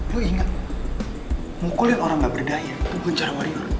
lo ingat mukulin orang gak berdaya bukan cara wario